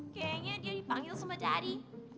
kayaknya dia dipanggil sama cari